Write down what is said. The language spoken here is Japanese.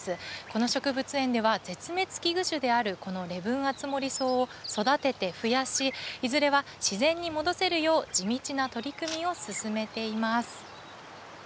この植物園では、絶滅危惧種であるこのレブンアツモリソウを育てて増やし、いずれは自然に戻せるよう、地道な取り組みを進めています。